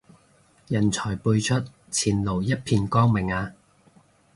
人才輩出，前路一片光明啊